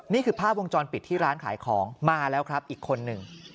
นี่คือภาพวงจรปิดที่ร้านขายของมาแล้วครับอีกคนหนึ่ง